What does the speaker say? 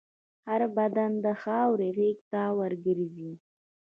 هر بدن د خاورې غېږ ته ورګرځي.